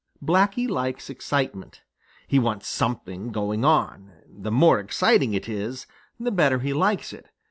Blacky likes excitement. He wants something going on. The more exciting it is, the better he likes it.